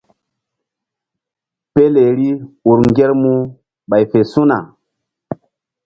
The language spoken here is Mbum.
Peleri ur ŋgermu ɓay fe su̧na.